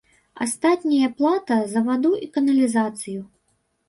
Астатняе плата за ваду і каналізацыю.